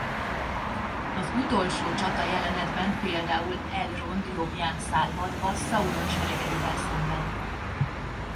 Az Utolsó Csata jelenetben például Elrond jobbján száll hadba Szauron seregeivel szemben.